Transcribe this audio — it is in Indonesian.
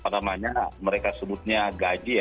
namanya mereka sebutnya gaji